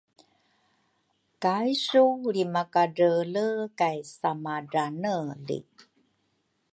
kaisu lrimakadreele kay samadraneli.